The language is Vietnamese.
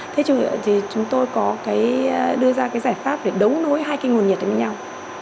thế chúng tôi có đưa ra cái giải pháp đống đối hai cái nguồn nhiệt đến nhau